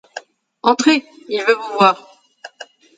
Entrez, il veut vous voir.